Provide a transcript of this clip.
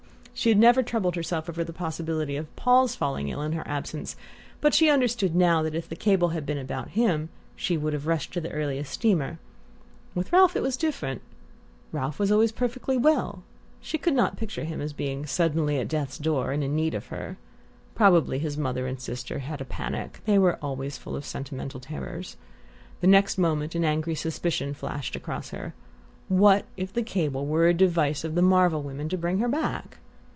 She had never troubled herself over the possibility of Paul's falling ill in her absence, but she understood now that if the cable had been about him she would have rushed to the earliest steamer. With Ralph it was different. Ralph was always perfectly well she could not picture him as being suddenly at death's door and in need of her. Probably his mother and sister had had a panic: they were always full of sentimental terrors. The next moment an angry suspicion flashed across her: what if the cable were a device of the Marvell women to bring her back?